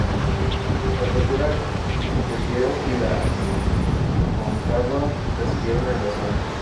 La cultura Llolleo y la Aconcagua la siguieron en la zona.